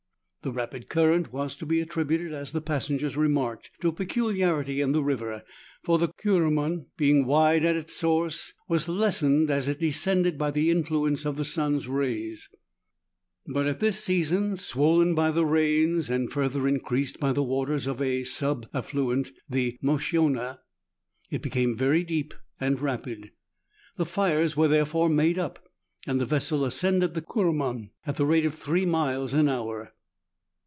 The rapid current was to be attributed, as the passengers remarked, to a peculiarity in the river, for the Kuruman being wide at its source, was lessened as it descended by the influence of the sun's rays ; but at this season, swollen by the rains, and further increased by the waters of a sub affluent, the Moschona, it became very deep and rapid. The fires were therefore made up, and the vessel ascended the Kuruman at the rate of three miles an hour.